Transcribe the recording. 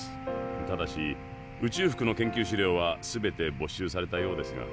ただし宇宙服の研究資料はすべてぼっ収されたようですが。